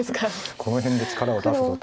この辺で力を出すぞと。